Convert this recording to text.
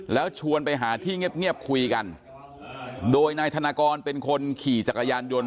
แล้วชวนไปหาที่เงียบคุยกันโดยนายธนากรเป็นคนขี่จักรยานยนต์